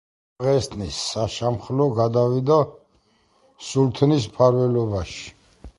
დაღესტნის საშამხლო გადავიდა სულთნის მფარველობაში.